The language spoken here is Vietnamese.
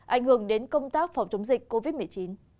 ảnh hưởng đến công tác phòng chống dịch covid một mươi chín